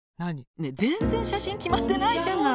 ねえ全然写真決まってないじゃない！